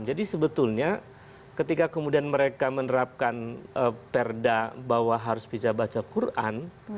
jadi sebetulnya ketika kemudian mereka menerapkan perda bahwa harus bisa baca quran